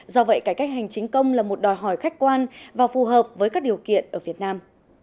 do vậy cải cách hành chính công là một đòi hỏi khách quan và phù hợp với các điều kiện ở việt nam